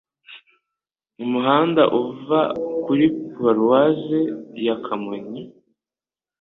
Umuhanda uva kuri Paroisse ya Kamonyi